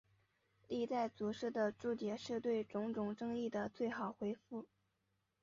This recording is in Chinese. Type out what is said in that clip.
历代祖师的注解是对种种争议的最好回复。